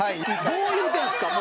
どう言うてるんですか？